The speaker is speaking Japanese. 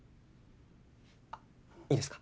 あっいいですか？